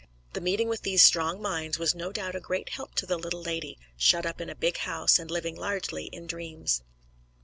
The meeting with these strong minds was no doubt a great help to the little lady, shut up in a big house and living largely in dreams.